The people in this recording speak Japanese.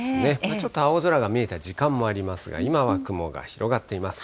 ちょっと青空が見えた時間もありますが、今は雲が広がっています。